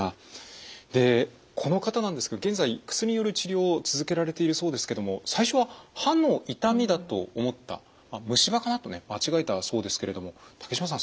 でこの方なんですが現在薬による治療を続けられているそうですけども最初は歯の痛みだと思ったまあ虫歯かな？とね間違えたそうですけれども竹島さん